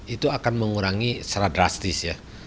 itu akan mengurangi secara drastis ya